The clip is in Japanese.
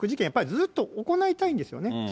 やっぱりずっと行いたいんですよね。